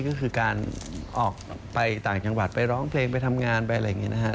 ก็คือการออกไปต่างจังหวัดไปร้องเพลงไปทำงานไปอะไรอย่างนี้นะครับ